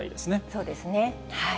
そうですね。